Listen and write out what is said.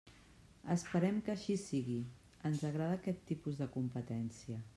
Esperem que així sigui, ens agrada aquest tipus de competència.